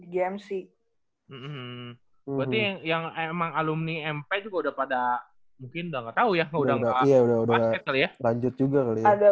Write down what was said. gmc yang emang alumni mp juga udah pada mungkin udah gak tau ya udah udah lanjut juga ada